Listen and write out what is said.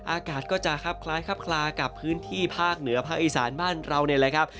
อากาศก็จะคล้ายกับพื้นที่ภาคเหนือภาคอีสานบ้านเรา